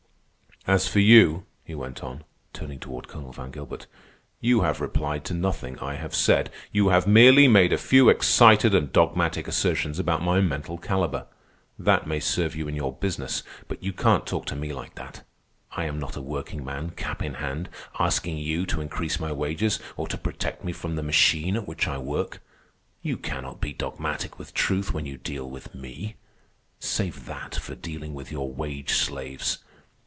"As for you," he went on, turning toward Colonel Van Gilbert, "you have replied to nothing I have said. You have merely made a few excited and dogmatic assertions about my mental caliber. That may serve you in your business, but you can't talk to me like that. I am not a workingman, cap in hand, asking you to increase my wages or to protect me from the machine at which I work. You cannot be dogmatic with truth when you deal with me. Save that for dealing with your wage slaves.